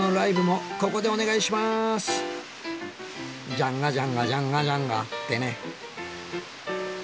ジャンガジャンガジャンガジャンガってね。